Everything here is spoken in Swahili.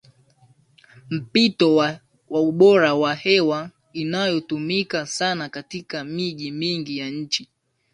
mpito wa ubora wa hewa inayotumika sana katika miji mingi ya nchi